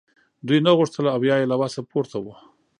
دوی نه غوښتل او یا یې له وسه پورته وه